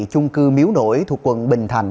chung cư miếu nổi thuộc quận bình thành